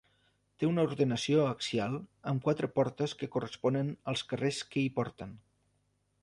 Té una ordenació axial, amb quatre portes que corresponen als carrers que hi porten.